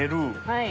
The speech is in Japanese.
はい。